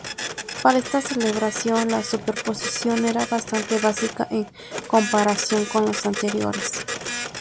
Para esta celebración, la superposición era bastante básica en comparación con los anteriores.